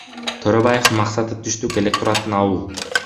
Төрөбаевдин максаты түштүк электоратын алуу.